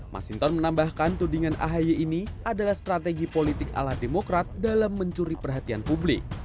masinton menambahkan tudingan ahy ini adalah strategi politik ala demokrat dalam mencuri perhatian publik